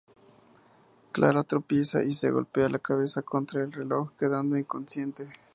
Clara tropieza y se golpea la cabeza contra el reloj, quedando inconsciente.